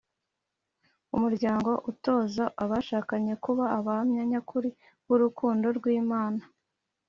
Umuryango utoza abashakanye kuba abahamya nyakuri burukundo rwimana